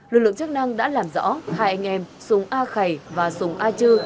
lực lượng chức năng đã làm rõ hai anh em sùng a khầy và sùng a chư